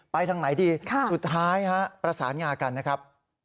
ทางไหนดีสุดท้ายฮะประสานงากันนะครับ